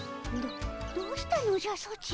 どどうしたのじゃソチ。